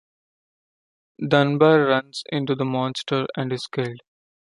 Dunbar runs into the monster and is killed.